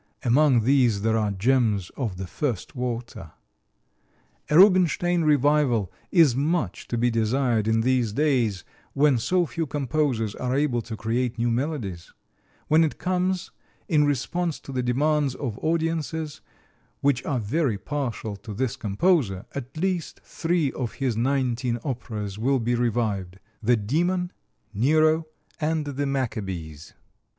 Among these there are gems of the first water. [Illustration: PEASANT WITH ACCORDION] A Rubinstein revival is much to be desired in these days, when so few composers are able to create new melodies. When it comes, in response to the demands of audiences, which are very partial to this composer, at least three of his nineteen operas will be revived: "The Demon," "Nero," and "The Maccabees."